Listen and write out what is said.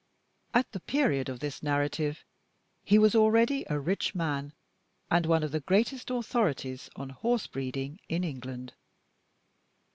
At the period of this narrative he was already a rich man, and one of the greatest authorities on horse breeding in England.